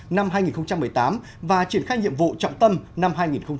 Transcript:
năm hai nghìn một mươi tám và triển khai nhiệm vụ trọng tâm năm hai nghìn một mươi chín